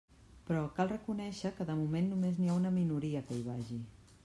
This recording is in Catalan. Però cal reconèixer que de moment només n'hi ha una minoria que hi vagi.